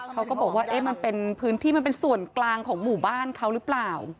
เขาก็บอกว่ามันเป็นพื้นที่มันเป็นส่วนกลางของหมู่บ้านเขาหรือเปล่า